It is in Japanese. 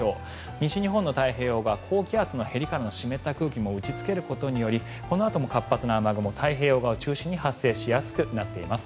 西日本の太平洋側高気圧のへりからの湿った空気が打ち付けることによりこのあとも活発な雨雲太平洋側を中心に発生しやすくなっています。